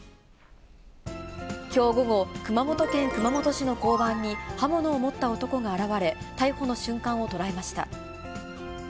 きょう午後、熊本県熊本市の交番に、刃物を持った男が現れ、逮捕の瞬間を捉えました。